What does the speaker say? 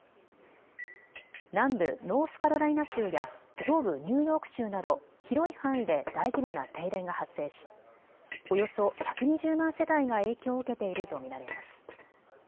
南部ノースカロライナ州や東部ニューヨーク州など広い範囲で大規模な停電が発生しおよそ１２０万世帯が影響を受けていると見られます。